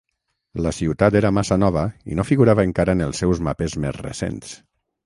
La ciutat era massa nova i no figurava encara en els seus mapes més recents.